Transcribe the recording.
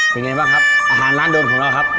เป็นไงบ้างครับอาหารร้านเดิมของเราครับ